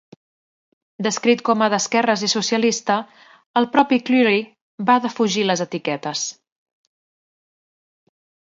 Descrit com a d'esquerres i socialista, el propi Cleary va defugir les etiquetes.